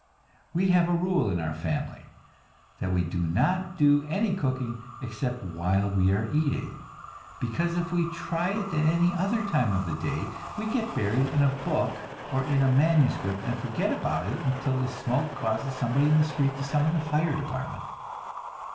We have a rule in our family that we do not do any cooking except while we are eating, because if we try it at any other time of the day, we get buried in a book or in a manuscript, and forget about it until the smoke causes somebody in the street to summon the fire department.